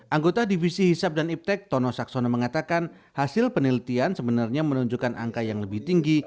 anggota divisi hisap dan iptek tono saksono mengatakan hasil penelitian sebenarnya menunjukkan angka yang lebih tinggi